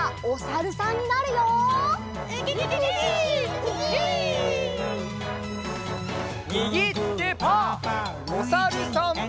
おさるさん。